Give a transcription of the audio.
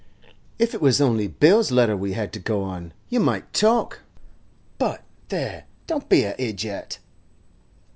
If it was only Bill's letter we had to go on, you might talk; but—there, don't be a ijiot!